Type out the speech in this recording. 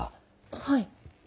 はい。